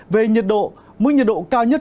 về nhiệt độ mức nhiệt độ cao nhất